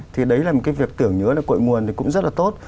thì đấy là một cái việc tưởng nhớ là cội nguồn thì cũng rất là tốt